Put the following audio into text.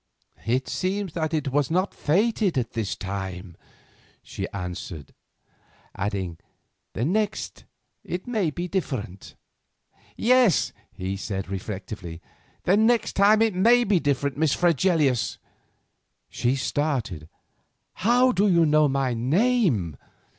"It seems that it was not fated this time," she answered, adding: "The next it may be different." "Yes," he said reflectively; "the next it may be different, Miss Fregelius." She started. "How do you know my name?"